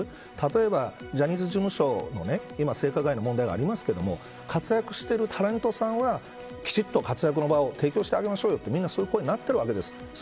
例えばジャニーズ事務所の性加害の問題がありますけど活躍しているタレントさんはきちんと活躍の場を提供してあげましょうよと皆、そういう声になっているわけです。